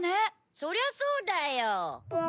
そりゃそうだよ。